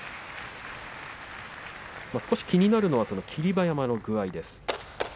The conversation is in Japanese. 少し気になるのは霧馬山の具合です。